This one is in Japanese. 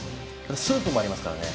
スープもありますからね。